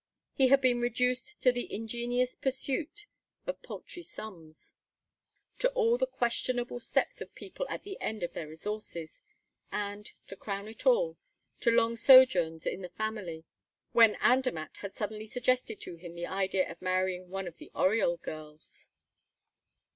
He had been reduced to the ingenious pursuit of paltry sums, to all the questionable steps of people at the end of their resources, and, to crown all, to long sojourns in the family, when Andermatt had suddenly suggested to him the idea of marrying one of the Oriol girls.